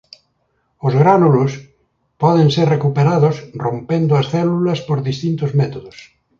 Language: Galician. Os gránulos poden ser recuperados rompendo as células por distintos métodos.